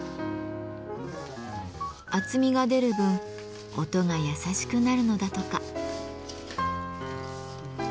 厚みが出る分音が優しくなるのだとか。